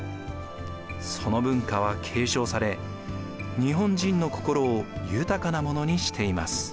その文化は継承され日本人の心を豊かなものにしています。